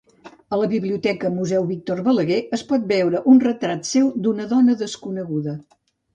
A la Biblioteca Museu Víctor Balaguer es pot veure un retrat seu d'una dona desconeguda.